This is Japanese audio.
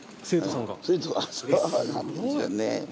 そうなんですよね。